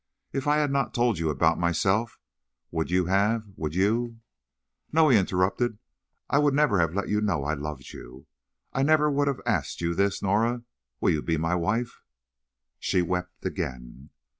"If I had not told you about myself, would you have—would you—" "No," he interrupted; "I would never have let you know I loved you. I would never have asked you this—Norah, will you be my wife?" She wept again.